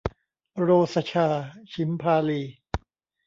โรสชา ฉิมพาลี